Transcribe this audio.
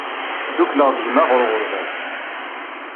Ddukkleɣ d gma ɣer uɣerbaz.